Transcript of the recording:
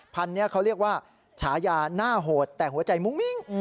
พันธุ์นี้เขาเรียกว่าฉายาหน้าโหดแต่หัวใจมุ้งมิ้ง